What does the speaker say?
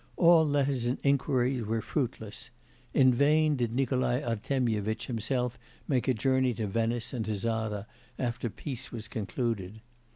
All letters and inquiries were fruitless; in vain did Nikolai Artemyevitch himself make a journey to Venice and to Zara after peace was concluded.